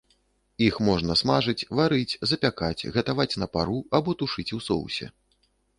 Іх можна смажыць, варыць, запякаць, гатаваць на пару або тушыць у соусе.